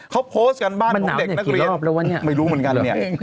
เขาโพสต์การบ้านของเด็กนักเรียนไม่รู้เหมือนกันเนี่ยเป็นมันหนาวเนี่ยกี่รอบแล้ววะเนี่ย